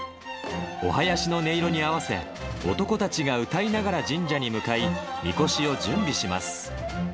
お囃子の音色に合わせ、男たちが歌いながら神社に向かい、みこしを準備します。